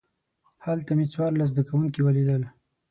هلته مې څوارلس زده کوونکي ولیدل.